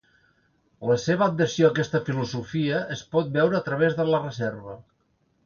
La seva adhesió a aquesta filosofia es pot veure a través de la reserva.